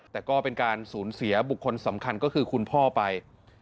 แต่ก็เป็นการสูญเสียบุคคลสำคัญก็คือคุณพ่อไป